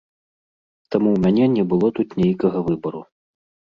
Таму ў мяне не было тут нейкага выбару.